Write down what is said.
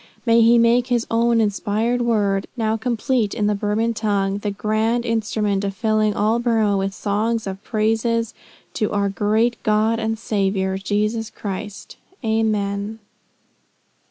May he make his own inspired word, now complete in the Burman tongue, the grand instrument of filling all Burmah with songs and praises to our great God and Saviour, Jesus Christ Amen."